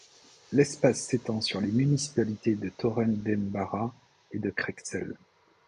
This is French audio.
L'espace s'étend sur les municipalités de Torredembarra et de Creixell.